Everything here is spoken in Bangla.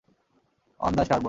On the starboard!